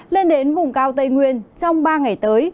lên đến vùng cao tây nguyên trong ba ngày tới